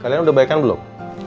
kalian udah baik kan belum